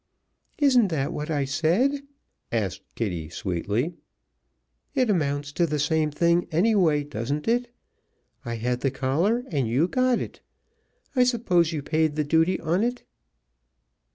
"Isn't that what I said?" asked Kitty sweetly. "It amounts to the same thing, anyway, doesn't it? I had the collar, and you got it. I suppose you paid the duty on it?"